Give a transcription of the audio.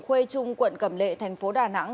khuê trung quận cẩm lệ thành phố đà nẵng